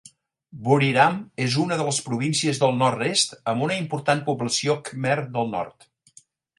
Buriram és una de les províncies del nord-est amb una important població khmer del nord.